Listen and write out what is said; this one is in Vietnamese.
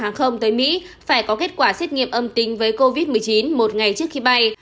hàng không tới mỹ phải có kết quả xét nghiệm âm tính với covid một mươi chín một ngày trước khi bay